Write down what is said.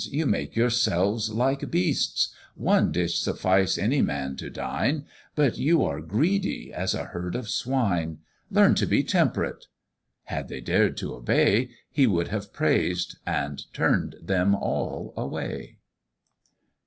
you make yourselves like beasts; One dish suffices any man to dine, But you are greedy as a herd of swine; Learn to be temperate." Had they dared t'obey, He would have praised and turn'd them all away.